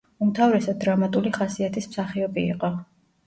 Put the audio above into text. უმთავრესად დრამატული ხასიათის მსახიობი იყო.